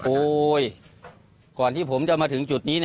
โอ้สักครั้งก่อนมาถึงจุดนี้